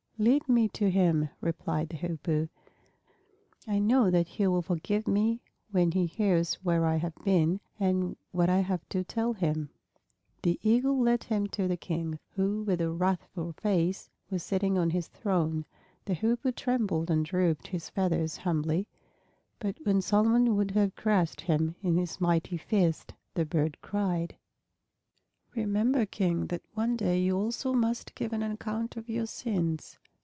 "Lead me to him," replied the Hoopoe. "I know that he will forgive me when he hears where I have been and what I have to tell him." The Eagle led him to the King, who with a wrathful face was sitting on his throne. The Hoopoe trembled and drooped his feathers humbly, but when Solomon would have crushed him in his mighty fist the bird cried, "Remember, King, that one day you also must give an account of your sins.